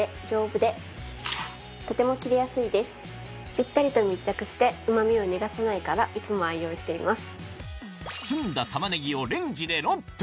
ぴったりと密着してうま味を逃がさないからいつも愛用しています。